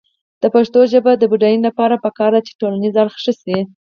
د پښتو ژبې د بډاینې لپاره پکار ده چې ټولنیز اړخ ښه شي.